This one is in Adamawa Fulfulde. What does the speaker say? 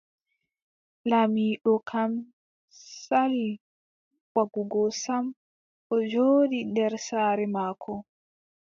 Laamiiɗo kam sali waggugo sam, o jooɗi nder saare maako.